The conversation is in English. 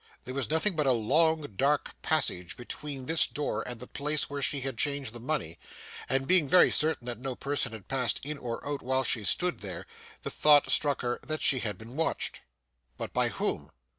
There was nothing but a long dark passage between this door and the place where she had changed the money, and, being very certain that no person had passed in or out while she stood there, the thought struck her that she had been watched. But by whom?